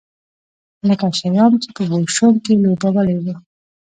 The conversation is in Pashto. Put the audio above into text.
لکه شیام چې په بوشونګ کې لوبولی و.